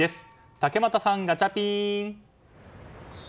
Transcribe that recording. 竹俣さん、ガチャピン！